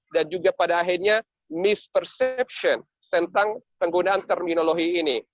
dan juga pada akhirnya misperception tentang penggunaan terminologi ini